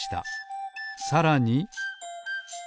さらに。